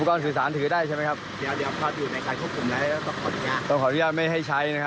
อ่าขออนุญาตสิ